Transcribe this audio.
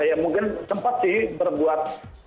ya mungkin sempat sih berbuat